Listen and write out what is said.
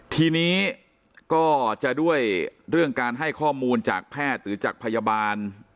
ทีนี้ก็จะด้วยเรื่องการให้ข้อมูลจากแพทย์หรือจากพยาบาล